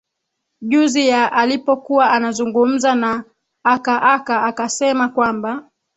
juzi ya alipokuwa anazungumza na aka aka akasema kwamba